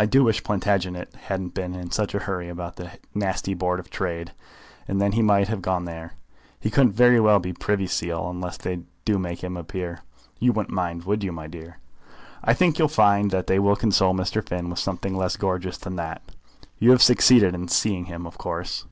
I do wish Plantagenet hadn't been in such a hurry about that nasty Board of Trade, and then he might have gone there. He couldn't very well be Privy Seal, unless they do make him a peer. You wouldn't mind, would you, my dear?" "I think you'll find that they will console Mr. Finn with something less gorgeous than that. You have succeeded in seeing him, of course?"